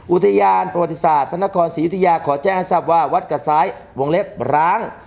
อุทยานประวัติศาสตร์พระนครศรียุธยาขอแจ้งให้ทราบว่าวัดกระซ้ายวงเล็บร้าง